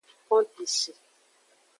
Pompishi.